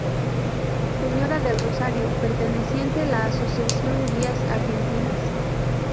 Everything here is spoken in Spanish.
Sra del Rosario perteneciente la Asociación Guías Argentinas.